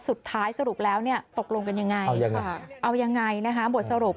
สุดท้ายสรุปแล้วตกลงกันยังไงเอายังไงบทสรุป